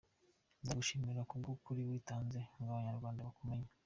Ndagushimiye kubw, ukuri witanze ngo abanyarwanda bakumenye.